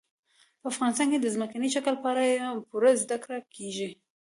په افغانستان کې د ځمکني شکل په اړه پوره زده کړه کېږي.